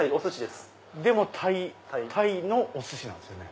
でもタイのおすしなんですよね。